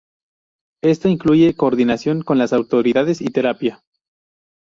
Esto incluye coordinación con las autoridades y terapia.